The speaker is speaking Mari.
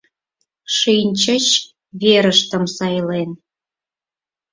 Шинчыч, верыштым сайлен